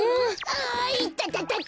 あいたたたた！